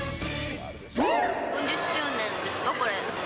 ４０周年ですか、これ。